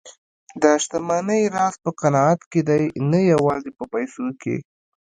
د شتمنۍ راز په قناعت کې دی، نه یوازې په پیسو کې.